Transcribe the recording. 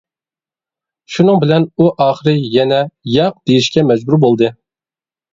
شۇنىڭ بىلەن ئۇ ئاخىرى يەنە «ياق» دېيىشكە مەجبۇر بولدى.